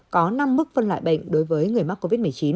có năm mức phân loại bệnh đối với người mắc covid một mươi chín